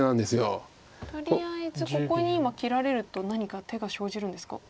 とりあえずここに今切られると何か手が生じるんですか？